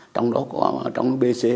trong đó có trong bê xê